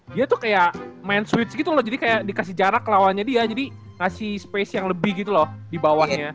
dia tuh kayak main switch gitu loh jadi kayak dikasih jarak lawannya dia jadi ngasih space yang lebih gitu loh di bawahnya